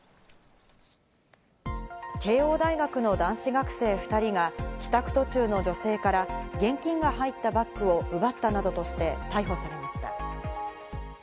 慶應大学の男子学生２人が帰宅途中の女性から現金が入ったバッグを奪ったなどとして逮捕されました。